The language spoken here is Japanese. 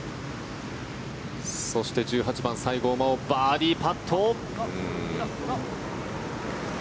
そして、１８番西郷真央、バーディーパット。